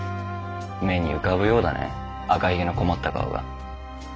目に浮かぶようだね赤ひげの困った顔が。